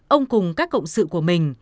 ông cùng các cộng sự của mình